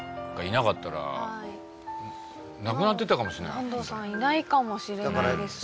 坂東さんはいないかもしれないですよね。